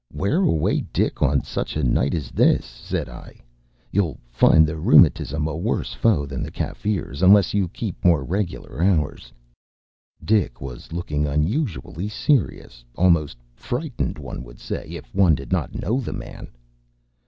“Where away, Dick, on such a night as this?” said I. “You’ll find the rheumatism a worse foe than the Kaffirs, unless you keep more regular hours.” Dick was looking unusually serious, almost frightened, one would say, if one did not know the man.